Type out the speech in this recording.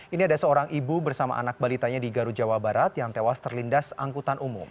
ini ada seorang ibu bersama anak balitanya di garut jawa barat yang tewas terlindas angkutan umum